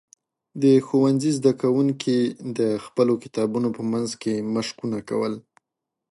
د ښوونځي زده کوونکي د خپلو کتابونو په منځ کې مشقونه کول.